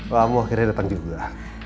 kamu akhirnya datang juga